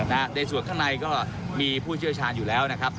ในส่วนข้างในก็มีผู้เชี่ยวชาญอยู่แล้วนะครับ